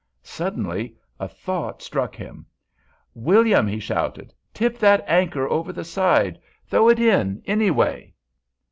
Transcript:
Suddenly a thought struck him. "William," he shouted, "tip that anchor over the side! Throw it in, any way!"